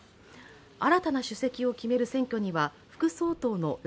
新たな主席を決める選挙には副総統の頼